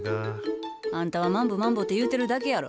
あんたは「マンボマンボ」って言うてるだけやろ。